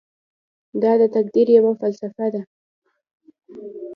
دا د تقدیر یوه فلسفه ده.